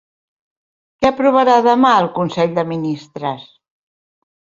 Què aprovarà demà el consell de ministres?